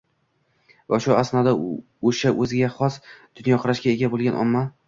Va shu asnoda o‘sha – o‘ziga xos dunyoqarashga ega bo‘lgan omma